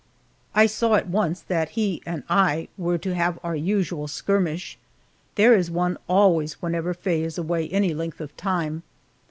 I saw at once that he and I were to have our usual skirmish. There is one, always, whenever Faye is away any length of time.